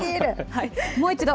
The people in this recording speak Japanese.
もう一度。